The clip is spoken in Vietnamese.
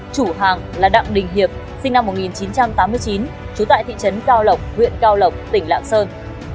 chủ hàng là đặng đình hiệp sinh năm một nghìn chín trăm tám mươi chín trú tại thị trấn cao lộc huyện cao lộc tỉnh lạng sơn